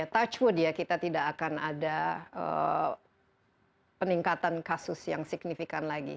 touchwood ya kita tidak akan ada peningkatan kasus yang signifikan lagi